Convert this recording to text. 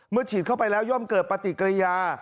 ฉีดเข้าไปแล้วย่อมเกิดปฏิกิริยา